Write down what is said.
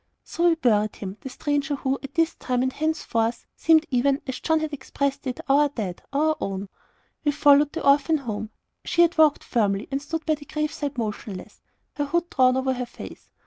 So we buried him the stranger who, at this time, and henceforth, seemed even, as John had expressed it, "our dead," our own. We followed the orphan home. She had walked firmly, and stood by the grave side motionless, her hood drawn over her face.